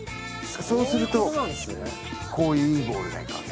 そうするとこういういいボールがいくわけね。